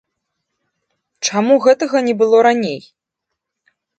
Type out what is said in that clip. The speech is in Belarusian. Чаму гэтага не было раней?